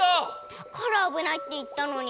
だからあぶないって言ったのに！